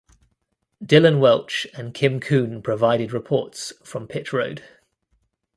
Dillon Welch and Kim Coon provided reports from pit road.